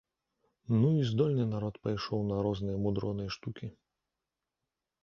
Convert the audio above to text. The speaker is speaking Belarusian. Ну, і здольны народ пайшоў на розныя мудроныя штукі!